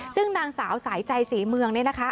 ซึ่งนางสาวสายใจศรีเมืองเนี่ยนะคะ